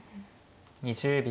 ２０秒。